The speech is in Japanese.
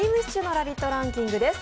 ランキングです。